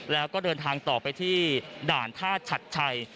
แล้วก็เดินทางต่อไปที่ด่านท่าชัดชัย